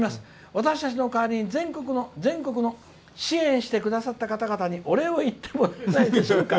私たちの代わりに全国の支援してくださった方々にお礼を言ってもらえないでしょうか。